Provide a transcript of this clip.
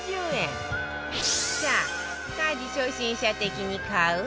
さあ家事初心者的に買う？